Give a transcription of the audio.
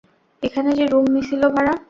এখানে যে রুম নিছিলি ভাড়া?